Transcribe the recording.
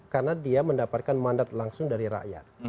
karena dia mendapatkan mandat langsung dari rakyat